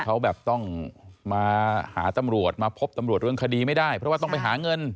เขาแบบต้องมาหาตำรวจมาพบตำรวจเรื่องคดีไม่ได้เพราะว่าต้องไปหาเงิน